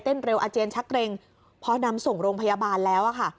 เร็วอาเจียนชักเกร็งพอนำส่งโรงพยาบาลแล้วอะค่ะ